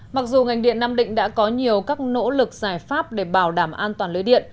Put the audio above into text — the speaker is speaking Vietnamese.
mặc dù ngành điện nam định đã có nhiều các nỗ lực giải pháp để bảo đảm an toàn lưới điện